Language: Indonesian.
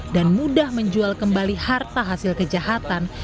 dan mudah menjual kembali harta hasil kejahatan